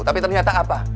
tapi ternyata apa